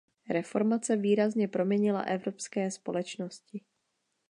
Reformace výrazně proměnila evropské společnosti.